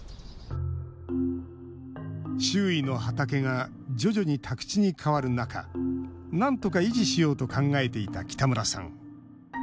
周囲の畑が徐々に宅地に変わる中なんとか維持しようと考えていた北村さん。